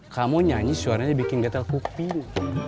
kamu nyanyi suaranya bikin getel kuping